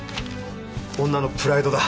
女のプライドだ。